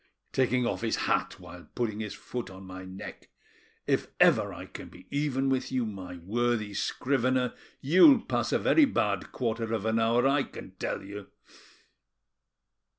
Taking off his hat while putting his foot on my neck! If ever I can be even with you, my worthy scrivener, you'll pass a very bad quarter of an hour, I can tell you."